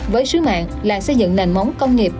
với sứ mạng là xây dựng nền móng công nghiệp